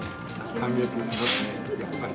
感激しますね、やっぱり。